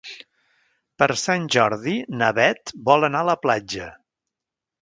Per Sant Jordi na Bet vol anar a la platja.